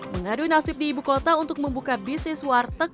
mengadu nasib di ibu kota untuk membuka bisnis warteg